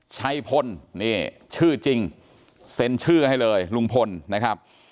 ชัยพลนี่ชื่อจริงเซ็นชื่อให้เลยลุงพลนะครับ